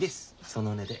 その値で。